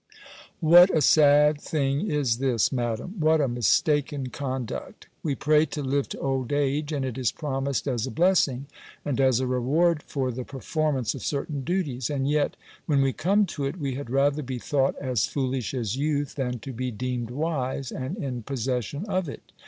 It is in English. What a sad thing is this, Madam! What a mistaken conduct! We pray to live to old age; and it is promised as a blessing, and as a reward for the performance of certain duties; and yet, when we come to it, we had rather be thought as foolish as youth, than to be deemed wise, and in possession of it.